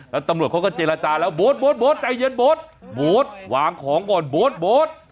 แล้วตำรวจเขาก็เจรจาแล้วโบ๊ทโบ๊ทใจเย็นโบ๊ทโบ๊ทวางของก่อนโบ๊ทโบ๊ท